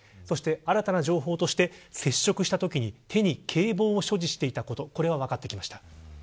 そして、新たな情報として接触したときに手に警棒を所持していたことが分かってきました。